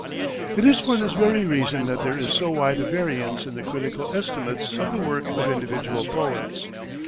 It is for this very reason that there is so wide a variance in the critical estimates of the work of individual poets.